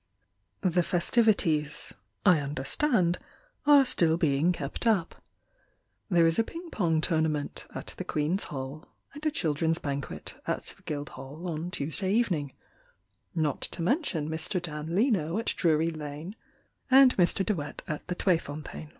The festivities, I understand, Are still being kept up. There is a ping pong tournament at the Queen's Hall And a children's banquet At the Guildhall on Tuesday evening; Not to mention Mr. Dan Leno at Drury Lane And Mr. De Wet at the Tweefontein.